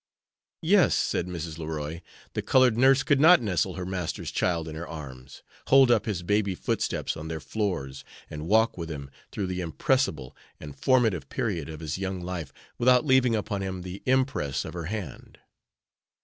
"Yes," said Mrs. Leroy; "the colored nurse could not nestle her master's child in her arms, hold up his baby footsteps on their floors, and walk with him through the impressible and formative period of his young life without leaving upon him the impress of her hand."